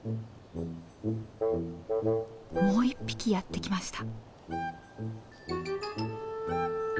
もう１匹やって来ました。